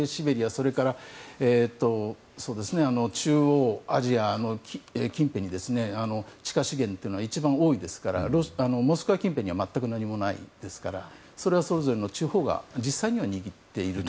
それから、中央アジアの近辺に地下資源というのは一番多いですからモスクワ近辺には全く何もないですからそれはそれぞれの地方が実際には握っている。